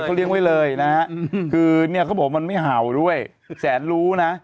เขาเลี้ยงไว้เลยนะฮะคือเนี่ยเขาบอกว่ามันไม่เห่าด้วยแสนรู้นะ